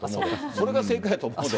それが正解やと思うで。